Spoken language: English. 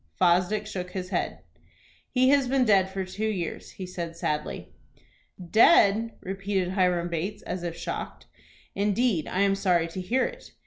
Fosdick shook his head. "He has been dead for two years," he said, sadly. "Dead!" repeated Hiram Bates, as if shocked. "Indeed, I am sorry to hear it."